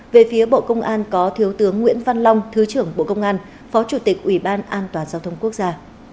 về phía bộ công an có thiếu tướng nguyễn văn long thứ trưởng bộ công an phó chủ tịch ủy ban an toàn giao thông quốc gia